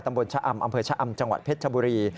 ตำบลชะอำอำเภอชะอำจังหวัดเพชรชบุรี